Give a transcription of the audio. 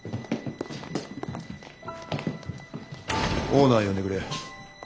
オーナー呼んでくれ。